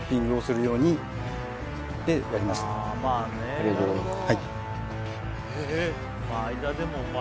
ありがとうございます